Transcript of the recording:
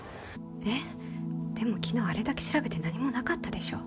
えっでも昨日あれだけ調べて何もなかったでしょ。